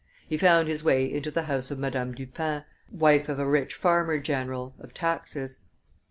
He found his way into the house of Madame Dupin, wife of a rich farmer general (of taxes).